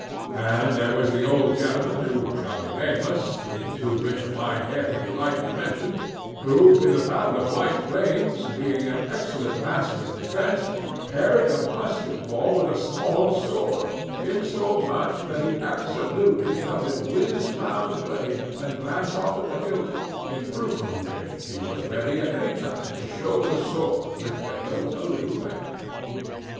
And there was an old gentleman who shall be nameless, being too rich a mynheer to be lightly mentioned, who, in the battle of White Plains, being an excellent master of defence, parried a musket ball with a small sword, insomuch that he absolutely felt it whiz round the blade, and glance off at the hilt; in proof of which he was ready at any time to show the sword, with the hilt a little bent.